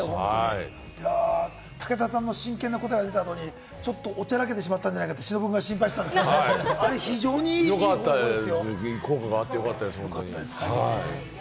武田さんの真剣な答え出たのに、ちょっと、おちゃらけたんじゃないかって忍君が心配してましたが、あれ非常に良かったですよ。